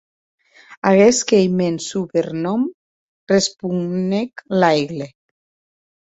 Aguest qu’ei eth mèn subernòm, responec Laigle.